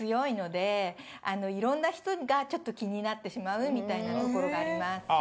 いろんな人がちょっと気になってしまうみたいなところがあります。